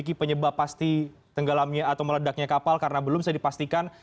memiliki penyebab pasti tenggelamnya atau meledaknya kapal karena belum bisa dipastikan